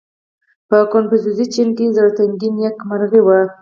• په کنفوسیوسي چین کې زړهتنګي نېکمرغي وه.